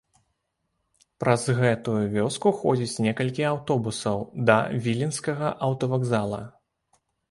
Праз гэтую вёску ходзіць некалькі аўтобусаў да віленскага аўтавакзала.